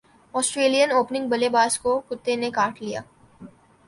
سٹریلین opening بلے باز کو کتے نے کاٹ لیا